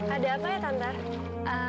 ada apa ya tante